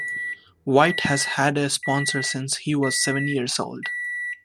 White has had a sponsor since he was seven years old.